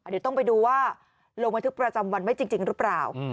เดี๋ยวต้องไปดูว่าลงบันทึกประจำวันไว้จริงหรือเปล่า